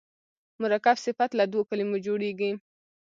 مرکب صفت له دوو کلمو جوړیږي.